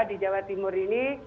di jawa timur ini